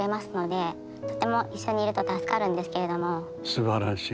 すばらしい。